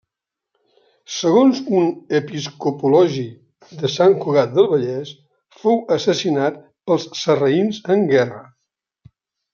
Segons un episcopologi de Sant Cugat del Vallès, fou assassinat pels sarraïns en guerra.